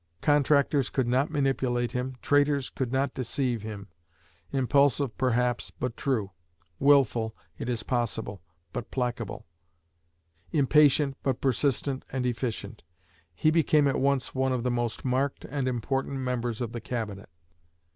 Contractors could not manipulate him, traitors could not deceive him. Impulsive, perhaps, but true; wilful, it is possible, but placable; impatient, but persistent and efficient, he became at once one of the most marked and important of the members of the Cabinet."